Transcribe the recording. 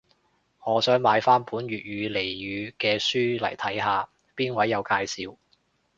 我想買返本粵語俚語嘅書嚟睇下，邊位有介紹